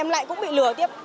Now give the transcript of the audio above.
em lại cũng bị lừa tiếp